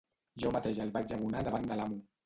Jo mateix el vaig abonar davant de l'amo.